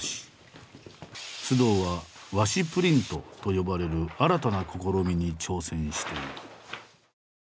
須藤は和紙プリントと呼ばれる新たな試みに挑戦している。